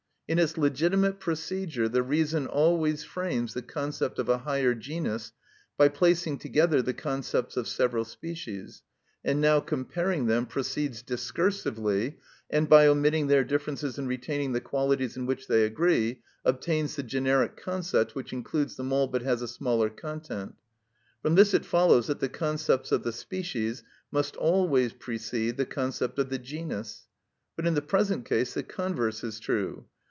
In its legitimate procedure the reason always frames the concept of a higher genus by placing together the concepts of several species, and now comparing them, proceeds discursively, and by omitting their differences and retaining the qualities in which they agree, obtains the generic concept which includes them all but has a smaller content. From this it follows that the concepts of the species must always precede the concept of the genus. But, in the present case, the converse is true.